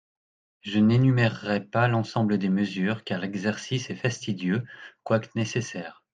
Je n’énumérerai pas l’ensemble des mesures car l’exercice est fastidieux quoique nécessaire.